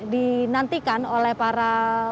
dinantikan oleh para